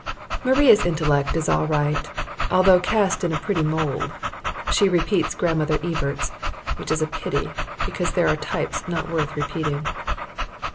Maria's intellect is all right, although cast in a petty mould. She repeats Grandmother Evarts, which is a pity, because there are types not worth repeating.